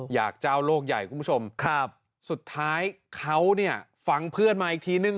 อยากเจ้าโลกใหญ่คุณผู้ชมครับสุดท้ายเขาเนี่ยฟังเพื่อนมาอีกทีนึง